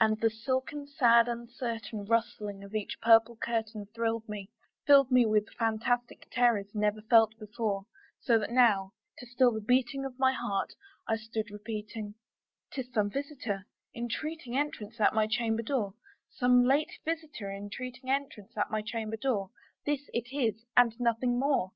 And the silken sad uncertain rustling of each purple curtain Thrilled me filled me with fantastic terrors never felt before; So that now, to still the beating of my heart, I stood repeating "'Tis some visitor entreating entrance at my chamber door, Some late visitor entreating entrance at my chamber door; This it is, and nothing more."